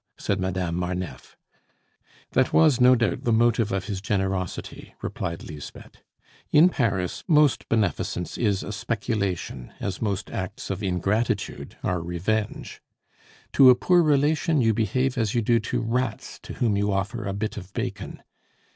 said Madame Marneffe. "That was, no doubt, the motive of his generosity," replied Lisbeth. "In Paris, most beneficence is a speculation, as most acts of ingratitude are revenge! To a poor relation you behave as you do to rats to whom you offer a bit of bacon.